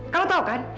kamu tau kan